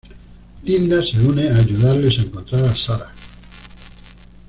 Linda se une ayudarles a encontrar a Sarah.